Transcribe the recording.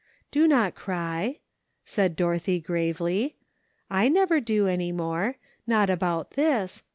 " Do not cry," said Dorothy gravely. " I never do any more; not about this.